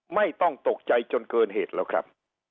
ไม่ต้องตกใจจนเกินเหตุแล้วครับ